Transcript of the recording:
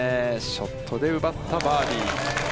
ショットで奪ったバーディー。